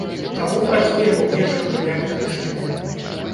Таму працуем у межах прынятых рашэнняў.